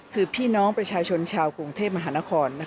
คือพี่น้องประชาชนชาวกรุงเทพมหานคร